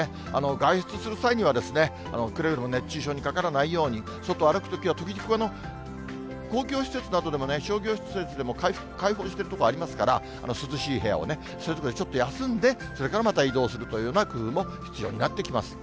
外出する際には、くれぐれも熱中症にかからないように、外歩くときは、時々、公共施設などでも商業施設でも開放してる所ありますから、涼しい部屋をね、そういう所でちょっと休んで、それからまた移動するというような工夫も必要になってきます。